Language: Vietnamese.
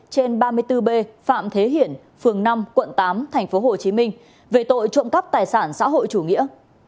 trên ba mươi bốn b phạm thế hiển phường năm quận tám tp hcm về tội trộm cắp tài sản xã hội chủ nghĩa